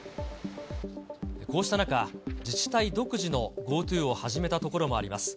こうした中、自治体独自のＧｏＴｏを始めた所もあります。